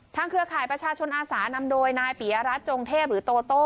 เครือข่ายประชาชนอาสานำโดยนายปียรัฐจงเทพหรือโตโต้